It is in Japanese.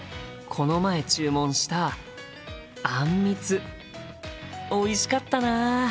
この前注文したあんみつおいしかったな。